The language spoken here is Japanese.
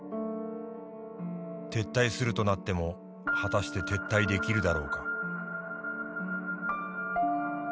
撤退するとなっても果して撤退できるだろうか」。